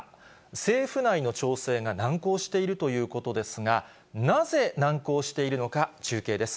政府内の調整が難航しているということですが、なぜ難航しているのか、中継です。